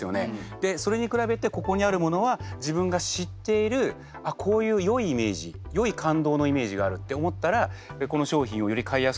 でそれに比べてここにあるものは自分が知っているこういうよいイメージよい感動のイメージがあるって思ったらこの商品をより買いやすくなる。